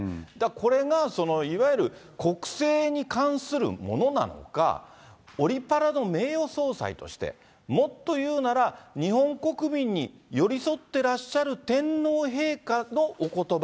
これがいわゆる国政に関するものなのか、オリパラの名誉総裁として、もっと言うなら、日本国民に寄り添ってらっしゃる天皇陛下のおことば。